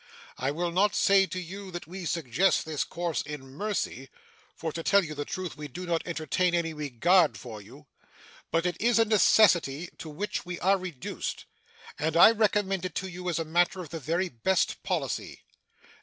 I will not say to you that we suggest this course in mercy (for, to tell you the truth, we do not entertain any regard for you), but it is a necessity to which we are reduced, and I recommend it to you as a matter of the very best policy.